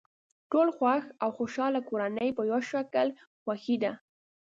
ټولې خوښ او خوشحاله کورنۍ په یوه شکل خوښې دي.